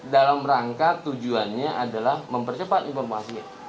dalam rangka tujuannya adalah mempercepat informasi